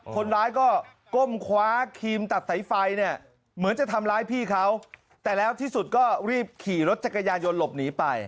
คนร้ายไตเมืองจะทำร้ายพี่เขาแต่แล้วที่สุดก็รีบขี่รถจักรยานยนต์หลบหนีไป